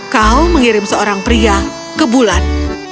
kau mengirim seorang pria ke bulan